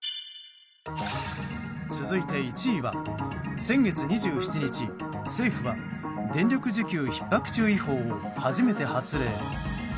続いて１位は先月２７日、政府は電力需給ひっ迫注意報を初めて発令。